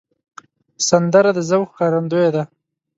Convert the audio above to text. سندره د ذوق ښکارندوی ده